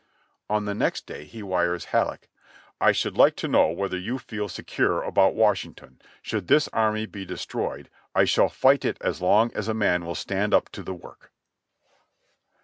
On the next day he wires Halleck : "I should like to know whether you feel secure about Washington. Should this army be destroyed, I shall fight it as long as a man will stand up to the work."